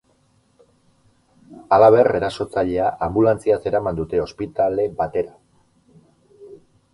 Halaber, erasotzailea anbulantziaz eraman dute ospitale batera.